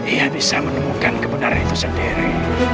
ia bisa menemukan kebenaran itu sendiri